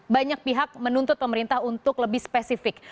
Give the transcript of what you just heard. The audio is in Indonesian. banyak pihak menuntut pemerintah untuk lebih spesifik